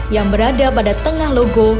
yang berada pada tengah logo